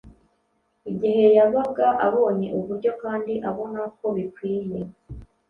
Igihe yabaga abonye uburyo kandi abona ko bikwiye,